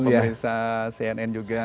pemirsa cnn juga